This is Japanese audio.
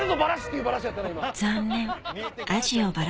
残念！